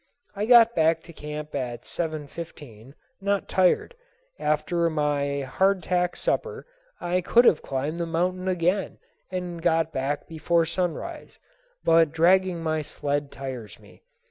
I got back to camp at 7.15, not tired. After my hardtack supper I could have climbed the mountain again and got back before sunrise, but dragging the sled tires me.